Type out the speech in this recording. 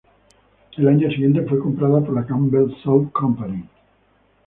El año siguiente fue comprada por la Campbell Soup Company.